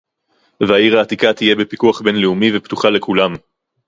והעיר העתיקה תהיה בפיקוח בין-לאומי ופתוחה לכולם